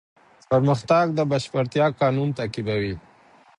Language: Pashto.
پرمختګ د بشپړتیا قانون تعقیبوي.